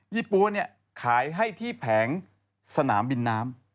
๓ญี่ปูส์ขายให้ที่แผงสนามบินน้ำ